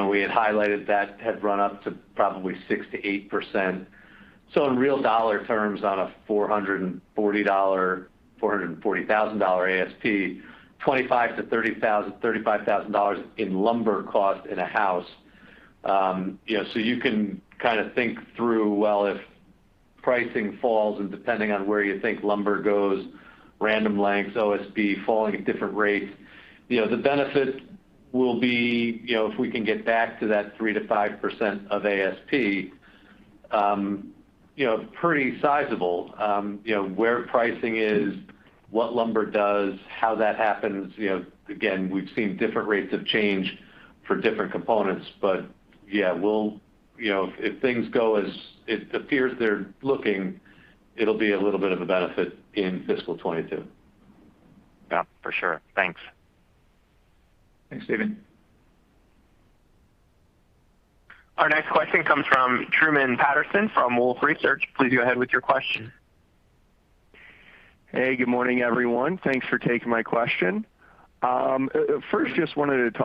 We had highlighted that had run up to probably 6%-8%. In real dollar terms, on a $440,000 ASP, $25,000-$35,000 in lumber cost in a house. You can kind of think through, well, if pricing falls and depending on where you think lumber goes, Random Lengths, OSB falling at different rates, the benefit will be, if we can get back to that 3%-5% of ASP, pretty sizable. Where pricing is, what lumber does, how that happens, again, we've seen different rates of change for different components. Yeah, if things go as it appears they're looking, it'll be a little bit of a benefit in fiscal 2022. Yeah, for sure. Thanks. Thanks, Stephen. Our next question comes from Truman Patterson from Wolfe Research. Please go ahead with your question. Hey, good morning, everyone. Thanks for taking my question. First, just wanted to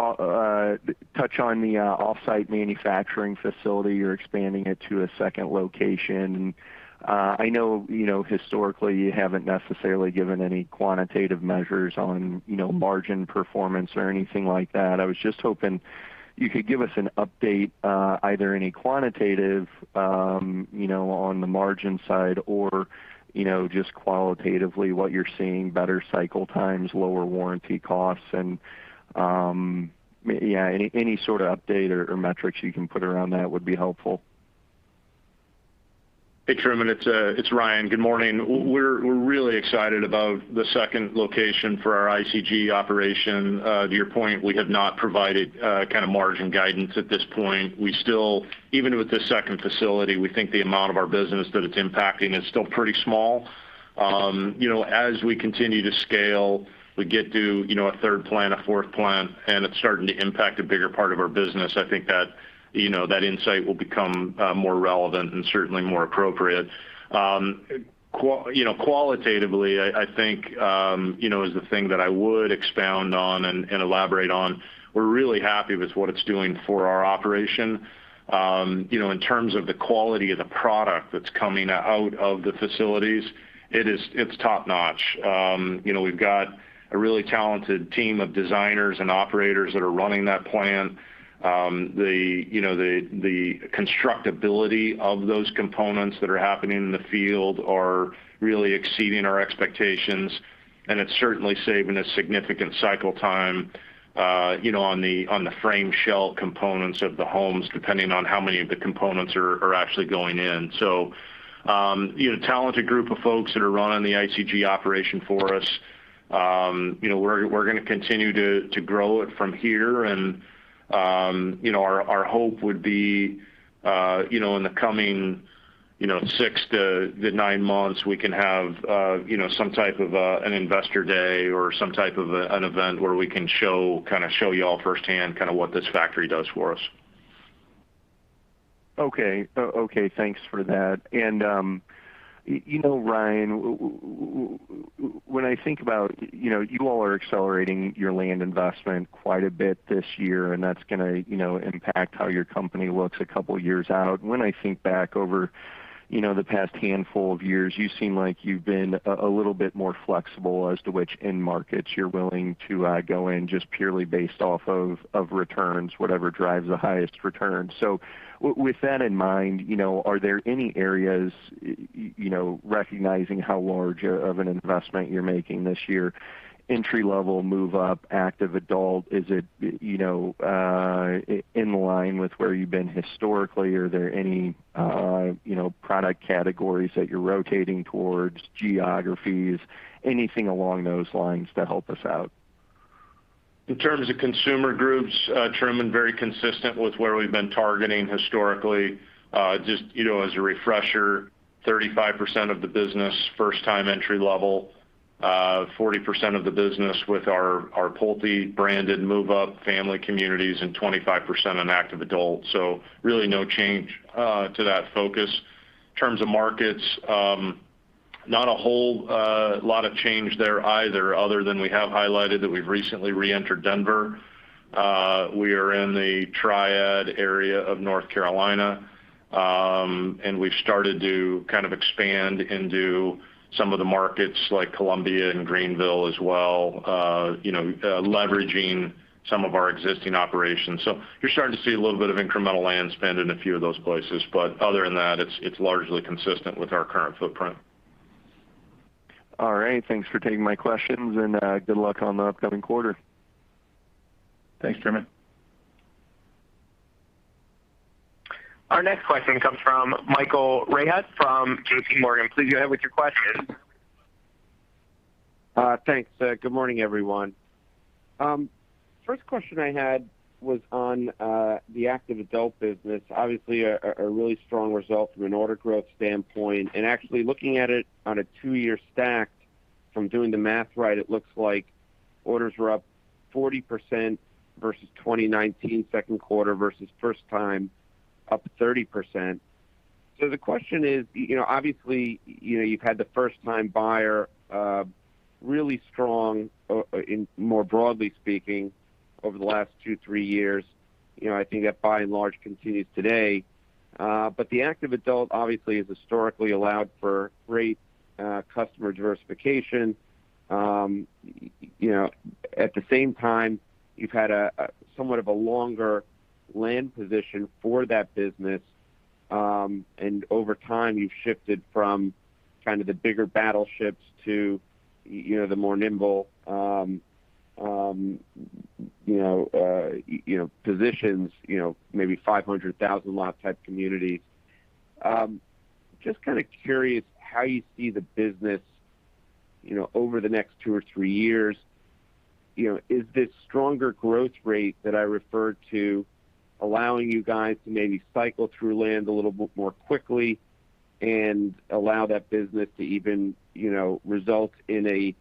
touch on the offsite manufacturing facility. You're expanding it to a second location. I know historically you haven't necessarily given any quantitative measures on margin performance or anything like that. I was just hoping you could give us an update, either any quantitative on the margin side or just qualitatively what you're seeing, better cycle times, lower warranty costs and any sort of update or metrics you can put around that would be helpful. Hey, Truman, it's Ryan. Good morning. We're really excited about the second location for our ICG operation. To your point, we have not provided kind of margin guidance at this point. Even with this second facility, we think the amount of our business that it's impacting is still pretty small. As we continue to scale, we get to a third plant, a fourth plant, and it's starting to impact a bigger part of our business, I think that insight will become more relevant and certainly more appropriate. Qualitatively, I think is the thing that I would expound on and elaborate on, we're really happy with what it's doing for our operation. In terms of the quality of the product that's coming out of the facilities, it's top-notch. We've got a really talented team of designers and operators that are running that plant. The constructability of those components that are happening in the field are really exceeding our expectations, and it's certainly saving a significant cycle time, you know, on the frame shell components of the homes, depending on how many of the components are actually going in. Talented group of folks that are running the ICG operation for us. We're going to continue to grow it from here, and our hope would be, in the coming six to nine months, we can have some type of an investor day or some type of an event where we can show you all firsthand kind of what this factory does for us. Okay. Thanks for that. Ryan, when I think about you all are accelerating your land investment quite a bit this year, and that's going to impact how your company looks a couple of years out. When I think back over the past handful of years, you seem like you've been a little bit more flexible as to which end markets you're willing to go in, just purely based off of returns, whatever drives the highest returns. With that in mind, are there any areas, you know, recognizing how large of an investment you're making this year, entry level, move up, active adult? Is it in line with where you've been historically? Are there any product categories that you're rotating towards, geographies, anything along those lines to help us out? In terms of consumer groups, Truman, very consistent with where we've been targeting historically. Just as a refresher, 35% of the business, first time entry level, 40% of the business with our Pulte branded move up family communities, and 25% in active adult. Really no change to that focus. In terms of markets, not a whole lot of change there either, other than we have highlighted that we've recently re-entered Denver. We are in the Triad area of North Carolina. We've started to kind of expand into some of the markets like Columbia and Greenville as well, you know, leveraging some of our existing operations. You're starting to see a little bit of incremental land spend in a few of those places. Other than that, it's largely consistent with our current footprint. All right. Thanks for taking my questions, and good luck on the upcoming quarter. Thanks, Truman. Our next question comes from Michael Rehaut from JPMorgan. Please go ahead with your question. Thanks. Good morning, everyone. First question I had was on the active adult business, obviously a really strong result from an order growth standpoint, and actually looking at it on a two-year stack. From doing the math right, it looks like orders were up 40% versus 2019 second quarter versus first time up 30%. The question is, obviously, you've had the first-time buyer really strong, more broadly speaking, over the last two, three years. I think that by and large continues today. The active adult obviously has historically allowed for great customer diversification. At the same time, you've had somewhat of a longer land position for that business. Over time, you've shifted from kind of the bigger battleships to the more nimble positions, maybe 500,000 lot type communities. Just kind of curious how you see the business over the next two or three years. Is this stronger growth rate that I referred to allowing you guys to maybe cycle through land a little bit more quickly and allow that business to even result in an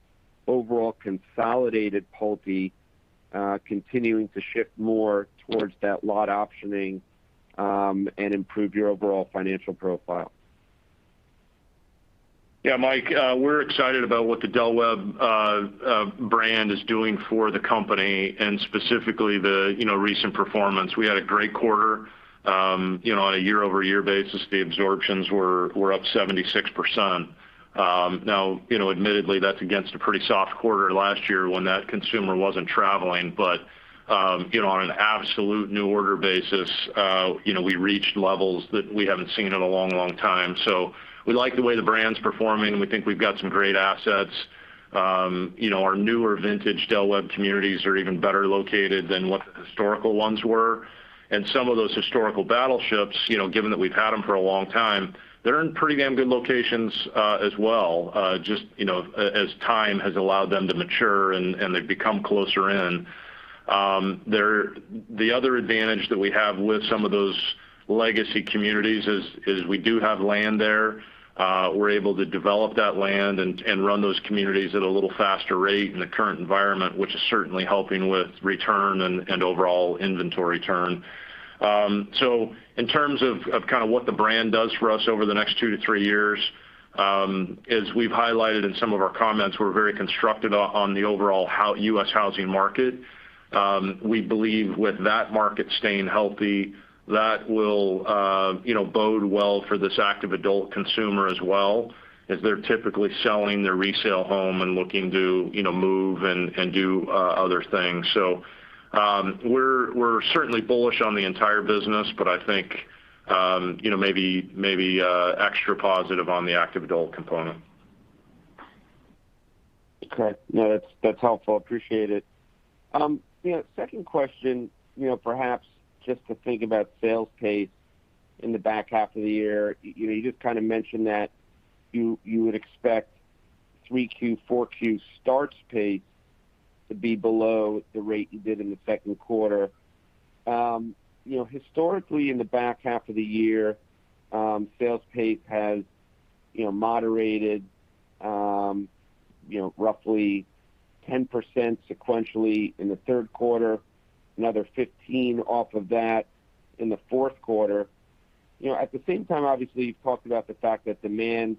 overall consolidated Pulte continuing to shift more towards that lot optioning and improve your overall financial profile? Yeah, Mike, we're excited about what the Del Webb brand is doing for the company, and specifically, you know, the recent performance. We had a great quarter. On a year-over-year basis, the absorptions were up 76%. Now, admittedly, that's against a pretty soft quarter last year when that consumer wasn't traveling. On an absolute new order basis, we reached levels that we haven't seen in a long time. We like the way the brand's performing, and we think we've got some great assets. Our newer vintage Del Webb communities are even better located than what the historical ones were. Some of those historical battleships, given that we've had them for a long time, they're in pretty damn good locations as well. Just as time has allowed them to mature and they've become closer in. The other advantage that we have with some of those legacy communities is we do have land there. We're able to develop that land and run those communities at a little faster rate in the current environment, which is certainly helping with return and overall inventory turn. In terms of kind of what the brand does for us over the next 2-3 years, as we've highlighted in some of our comments, we're very constructive on the overall U.S. housing market. We believe with that market staying healthy, that will bode well for this active adult consumer as well, as they're typically selling their resale home and looking to, you know, move and do other things. We're certainly bullish on the entire business, but I think, you know, maybe extra positive on the active adult component. Okay. No, that's helpful. Appreciate it. Second question, perhaps just to think about sales pace in the back half of the year. You just kind of mentioned that you would expect 3Q, 4Q starts pace to be below the rate you did in the second quarter. Historically, in the back half of the year, sales pace has moderated roughly 10% sequentially in the third quarter, another 15% off of that in the fourth quarter. At the same time, obviously, you've talked about the fact that demand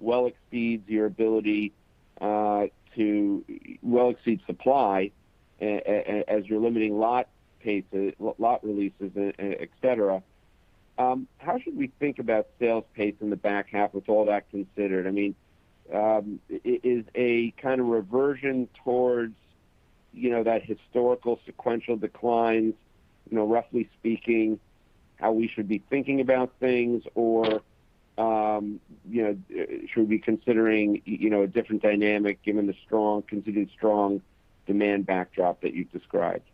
well exceeds your ability to well exceed supply as you're limiting lot releases, et cetera. How should we think about sales pace in the back half with all that considered? I mean, is a kind of reversion towards that historical sequential declines, roughly speaking, how we should be thinking about things? Should we be considering a different dynamic given the strong, continued strong demand backdrop that you've described?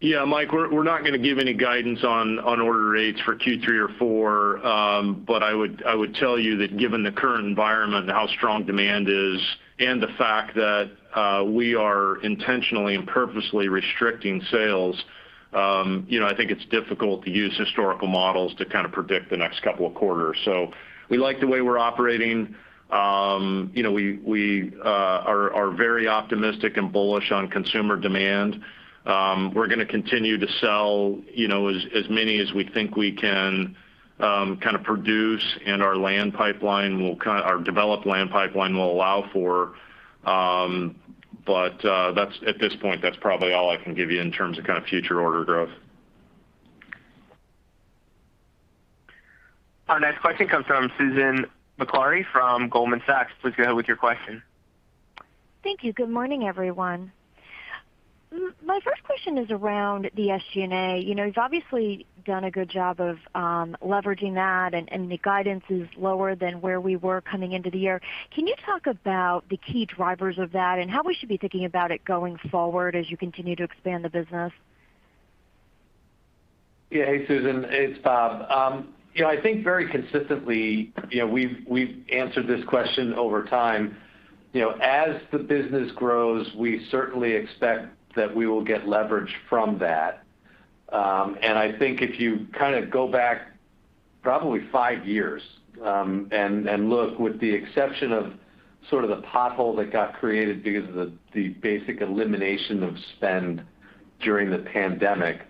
Yeah, Mike, we're not going to give any guidance on order rates for Q3 or Q4. I would tell you that given the current environment and how strong demand is, and the fact that we are intentionally and purposely restricting sales, you know, I think it's difficult to use historical models to kind of predict the next couple of quarters. We like the way we're operating. We are very optimistic and bullish on consumer demand. We're going to continue to sell, you know, as many as we think we can kind of produce, and our developed land pipeline will allow for. At this point, that's probably all I can give you in terms of kind of future order growth. Our next question comes from Susan Maklari from Goldman Sachs. Please go ahead with your question. Thank you. Good morning, everyone. My first question is around the SG&A. You've obviously done a good job of leveraging that, and the guidance is lower than where we were coming into the year. Can you talk about the key drivers of that and how we should be thinking about it going forward as you continue to expand the business? Yeah. Hey, Susan, it's Bob. I think very consistently we've answered this question over time. As the business grows, we certainly expect that we will get leverage from that. And I think if you kind of go back probably five years, and look with the exception of sort of the pothole that got created because of the basic elimination of spend during the pandemic,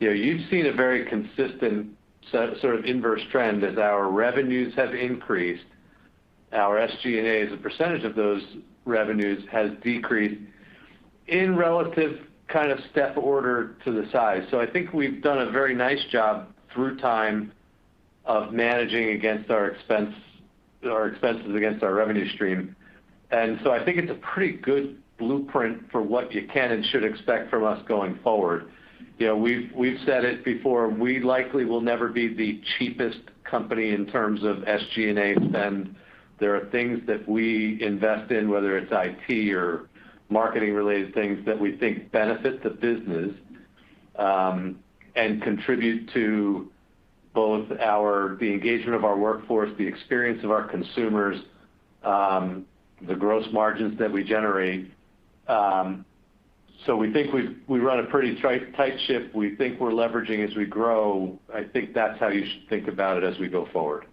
you've seen a very consistent sort of inverse trend as our revenues have increased, our SG&A as a percentage of those revenues has decreased in relative kind of step order to the size. I think we’ve done a very nice job through time of managing against our expense -- our expenses against our revenue stream. I think it's a pretty good blueprint for what you can and should expect from us going forward. We've said it before, we likely will never be the cheapest company in terms of SG&A spend. There are things that we invest in, whether it's IT or marketing-related things, that we think benefit the business, and contribute to both the engagement of our workforce, the experience of our consumers, the gross margins that we generate. We think we run a pretty tight ship. We think we're leveraging as we grow. I think that's how you should think about it as we go forward.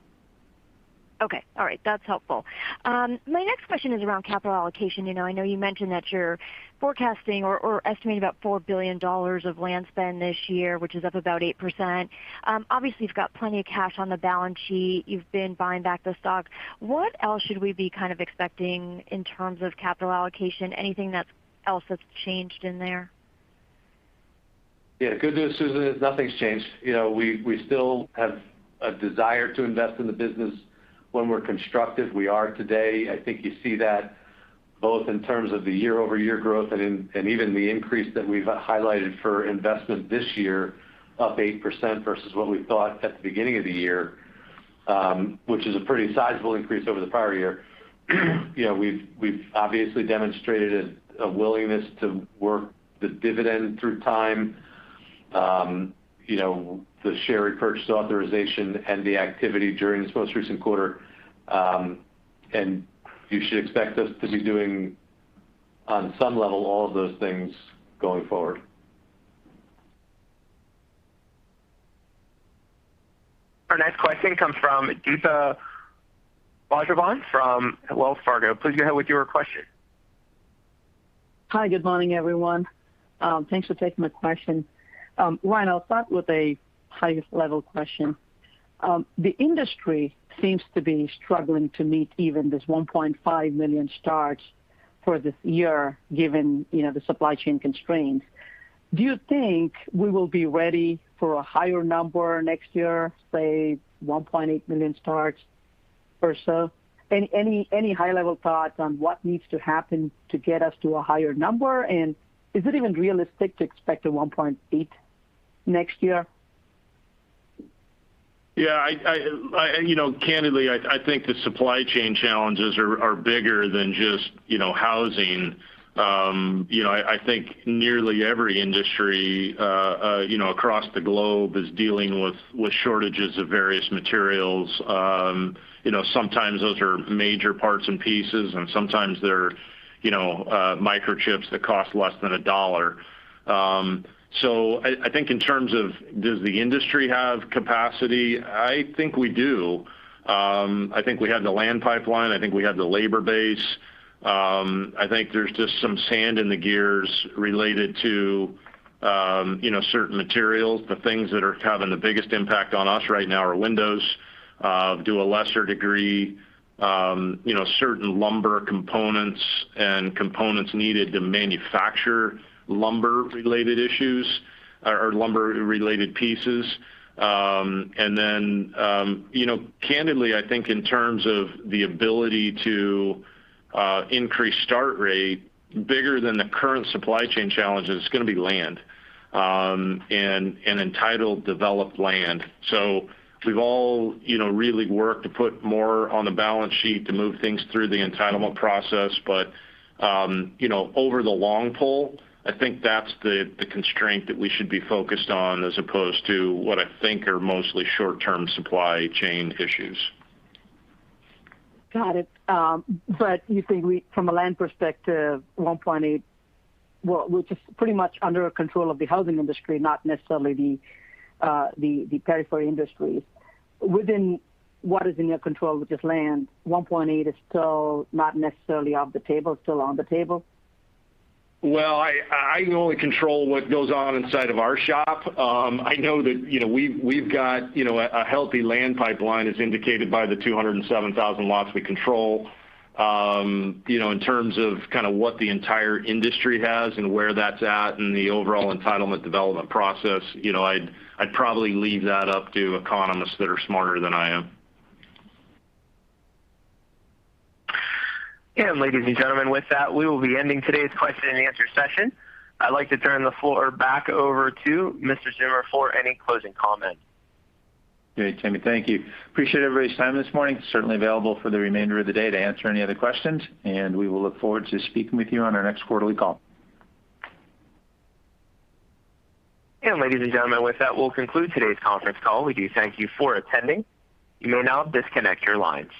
Okay. All right. That's helpful. My next question is around capital allocation. I know you mentioned that you're forecasting or estimating about $4 billion of land spend this year, which is up about 8%. Obviously, you've got plenty of cash on the balance sheet. You've been buying back the stock. What else should we be kind of expecting in terms of capital allocation? Anything that else has changed in there? Yeah. Good news, Susan, is nothing's changed. We still have a desire to invest in the business when we're constructive. We are today. I think you see that both in terms of the year-over-year growth and even the increase that we've highlighted for investment this year, up 8% versus what we thought at the beginning of the year, which is a pretty sizable increase over the prior year. We've obviously demonstrated a willingness to work the dividend through time, you know, the share repurchase authorization and the activity during this most recent quarter. You should expect us to be doing, on some level, all of those things going forward. Our next question comes from Deepa Raghavan from Wells Fargo. Please go ahead with your question. Hi. Good morning, everyone. Thanks for taking my question. Ryan, I'll start with a highest-level question. The industry seems to be struggling to meet even this 1.5 million starts for this year, given, you know, the supply chain constraints. Do you think we will be ready for a higher number next year, say 1.8 million starts or so? Any high-level thoughts on what needs to happen to get us to a higher number? Is it even realistic to expect a 1.8 next year? Yeah. Candidly, I think the supply chain challenges are bigger than just housing. I think nearly every industry, you know, across the globe is dealing with shortages of various materials. Sometimes those are major parts and pieces, and sometimes they're microchips that cost less than $1. I think in terms of does the industry have capacity, I think we do. I think we have the land pipeline. I think we have the labor base. I think there's just some sand in the gears related to, you know, certain materials. The things that are having the biggest impact on us right now are windows. To a lesser degree, certain lumber components and components needed to manufacture lumber-related issues or lumber-related pieces. Candidly, I think in terms of the ability to increase start rate, bigger than the current supply chain challenge is going to be land and entitled developed land. We've all really worked to put more on the balance sheet to move things through the entitlement process. Over the long pull, I think that's the constraint that we should be focused on as opposed to what I think are mostly short-term supply chain issues. Got it. You think from a land perspective, 1.8, which is pretty much under control of the housing industry, not necessarily the periphery industries. Within what is in your control, which is land, 1.8 is still not necessarily off the table, still on the table? Well, I can only control what goes on inside of our shop. I know that we've got a healthy land pipeline as indicated by the 207,000 lots we control. In terms of what the entire industry has and where that's at in the overall entitlement development process, I'd probably leave that up to economists that are smarter than I am. Ladies and gentlemen, with that, we will be ending today's question and answer session. I'd like to turn the floor back over to Mr. Zeumer for any closing comments. Great, Jamie. Thank you. Appreciate everybody's time this morning. Certainly available for the remainder of the day to answer any other questions, and we will look forward to speaking with you on our next quarterly call. Ladies and gentlemen, with that, we'll conclude today's conference call. We do thank you for attending. You may now disconnect your lines.